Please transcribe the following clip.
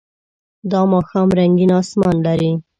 دا ماښام رنګین آسمان لري.